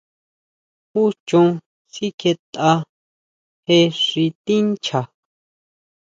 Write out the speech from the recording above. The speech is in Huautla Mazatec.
Jú chon sikjietʼa je xi tincha.